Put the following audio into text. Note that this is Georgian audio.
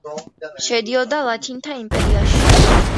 შედიოდა ლათინთა იმპერიაში.